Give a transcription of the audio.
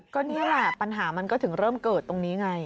ก็นี่แหละปัญหามันก็ถึงเริ่มเกิดตรงนี้ไง